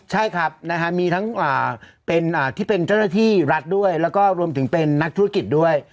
ใช่ครับมีทั้งที่เป็นเจ้าหน้าที่รัฐด้วยแล้วก็รวมถึงเป็นนักธุรกิจด้วย